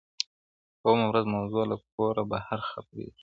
• په اوومه ورځ موضوع له کوره بهر خپرېږي,